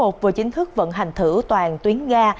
cầu metro số một vừa chính thức vận hành thử toàn tuyến ga